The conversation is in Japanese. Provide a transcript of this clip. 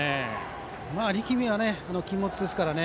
力みは禁物ですからね。